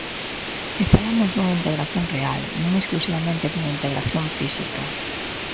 E falamos dunha integración real, non exclusivamente dunha integración física.